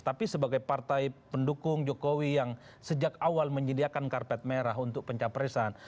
tapi sebagai partai pendukung jokowi yang sejak awal menyediakan karpet merah untuk pencapresan